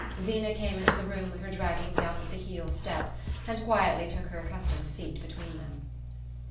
Zeena came into the room with her dragging down at the heel step, and quietly took her accustomed seat between them.